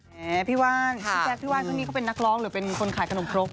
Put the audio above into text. แน่พี่ว่าพี่แจ๊บพี่ว่านตอนนี้ก็เป็นนักร้องหรือคนขายขนมครบ